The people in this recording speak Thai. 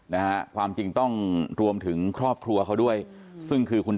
นะฮะความจริงต้องรวมถึงครอบครัวเขาด้วยซึ่งคือคุณ